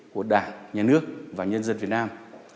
của đảng nhà nước và nhân dân việt nam